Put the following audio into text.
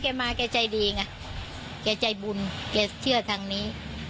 มาแกใจดีไงแกใจบุญแกเชื่อทางนี้